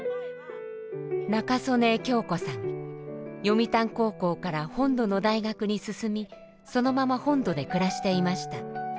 読谷高校から本土の大学に進みそのまま本土で暮らしていました。